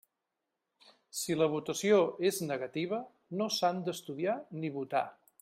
Si la votació és negativa, no s'han d'estudiar ni votar.